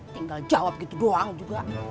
tinggal jawab gitu doang juga